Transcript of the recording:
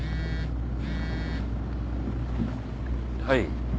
はい。